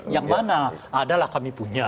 yang mana adalah kami punya